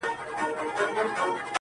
نن د پايزېب په شرنگهار راته خبري کوه.